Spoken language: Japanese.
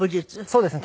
そうですね。